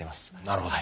なるほど。